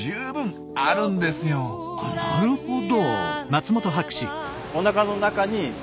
あなるほど。